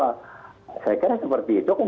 saya kira seperti itu